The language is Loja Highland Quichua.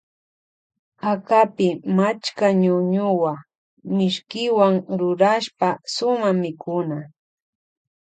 Akapi machka ñuñuwa mishkiwan rurashpa suma mikuna.